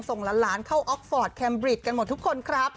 ส่งหลานเข้าออกฟอร์ตแคมบริตกันหมดทุกคนครับ